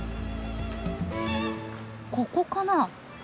ここかな。